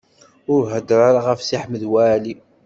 Ur heddeṛ ara ɣef Si Ḥmed Waɛli.